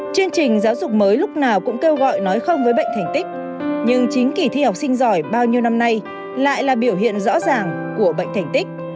chương trình giáo dục mới lúc nào cũng kêu gọi nói không với bệnh thành tích nhưng chính kỳ thi học sinh giỏi bao nhiêu năm nay lại là biểu hiện rõ ràng của bệnh thành tích